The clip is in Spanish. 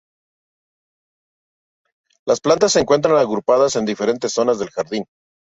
Las plantas se encuentran agrupadas en diferentes zonas del jardín.